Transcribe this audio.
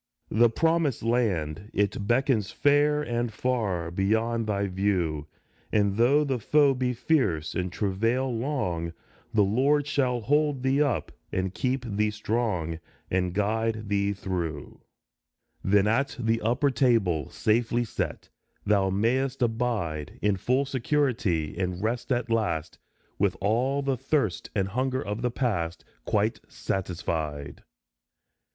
The Promised Land it beckons fair and far, Beyond thy view. And though the foe be fierce, and travail long, The Lord shall hold thee up, and keep thee strong, And guide thee through. 132 THE PASCHAL FEAST Then, at the upper table, safely set, Thou mayst abide In full security and rest at last, With all the thirst and hunger of the past Quite satisfied.